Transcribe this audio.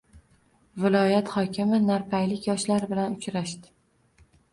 Viloyat hokimi narpaylik yoshlar bilan uchrashdi